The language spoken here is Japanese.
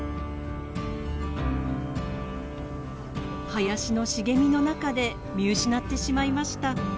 林の茂みの中で見失ってしまいました。